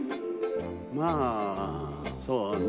まあそうね。